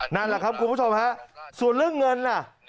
นั่นแหละครับคุณผู้ชมฮะส่วนเรื่องเงินน่ะ